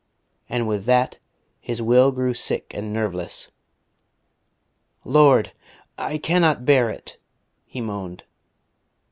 And with that his will grew sick and nerveless. "Lord! I cannot bear it!" he moaned....